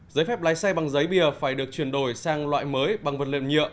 giấy phép lái xe bằng giấy bìa phải được chuyển đổi sang loại mới bằng vật liệu nhựa